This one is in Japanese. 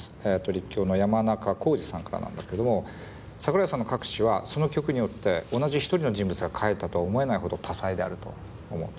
立教のヤマナカコウジさんからなんだけど「桜井さんの書く詞はその曲によって同じ１人の人物が書いたとは思えないほど多彩であると思う。